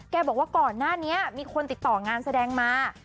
บอกว่าก่อนหน้านี้มีคนติดต่องานแสดงมา